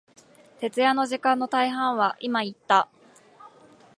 徹夜の時間の大半は、今言った、